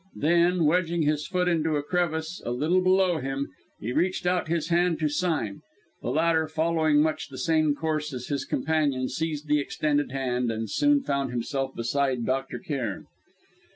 Then, wedging his foot into a crevice a little below him, he reached out his hand to Sime. The latter, following much the same course as his companion, seized the extended hand, and soon found himself beside Dr. Cairn.